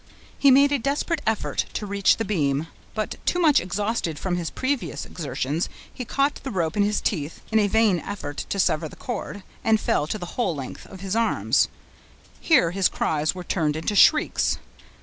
He made a desperate effort to reach the beam; but, too much exhausted with his previous exertions, he caught the rope in his teeth, in a vain effort to sever the cord, and fell to the whole length of his arms. Here his cries were turned into shrieks.